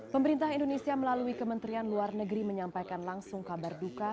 pemerintah indonesia melalui kementerian luar negeri menyampaikan langsung kabar duka